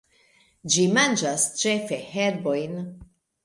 Ĝi manĝas ĉefe herbojn.